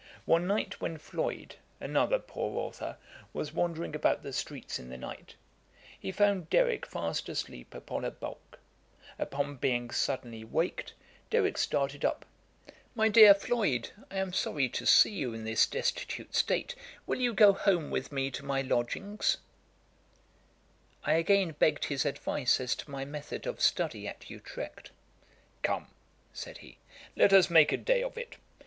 One night, when Floyd, another poor authour, was wandering about the streets in the night, he found Derrick fast asleep upon a bulk; upon being suddenly waked, Derrick started up, "My dear Floyd, I am sorry to see you in this destitute state; will you go home with me to my lodgings?"' I again begged his advice as to my method of study at Utrecht. 'Come, (said he) let us make a day of it.